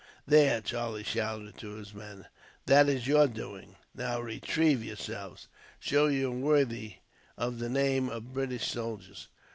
"There," Charlie shouted to his men, "that is your doing. Now retrieve yourselves. Show you are worthy of the name of British soldiers."